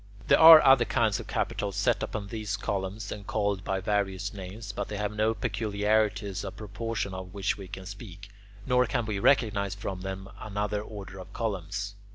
There are other kinds of capitals set upon these same columns and called by various names, but they have no peculiarities of proportion of which we can speak, nor can we recognize from them another order of columns.